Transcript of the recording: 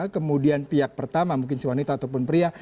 kemudian pihak pertama mungkin si wanita ataupun pria